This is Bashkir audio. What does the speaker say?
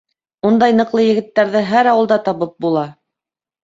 — Ундай ныҡлы егеттәрҙе һәр ауылда табып була.